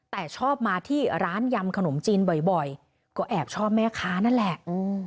แต่ชอบมาที่ร้านยำขนมจีนบ่อยก็แอบชอบแม่ค้านั่นแหละ